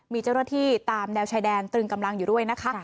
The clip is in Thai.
มีเจ้าหน้าที่ตามแนวชายแดนตรึงกำลังอยู่ด้วยนะคะ